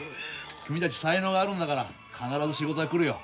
君たち才能があるんだから必ず仕事は来るよ。